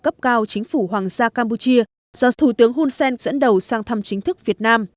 cấp cao chính phủ hoàng gia campuchia do thủ tướng hun sen dẫn đầu sang thăm chính thức việt nam